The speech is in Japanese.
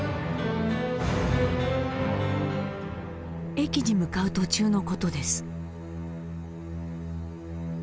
駅に向かう途中の事です。